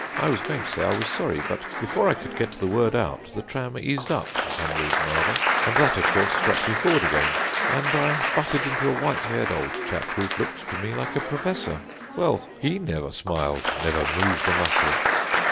I was going to say I was sorry, but before I could get the words out the tram eased up, for some reason or other, and that, of course, shot me forward again, and I butted into a white haired old chap, who looked to me like a professor. Well, he never smiled, never moved a muscle."